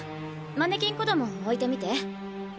マネキン子ども置いてみて。